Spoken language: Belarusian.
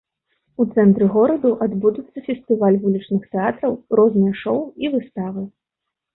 У цэнтры гораду адбудуцца фестываль вулічных тэатраў, розныя шоў і выставы.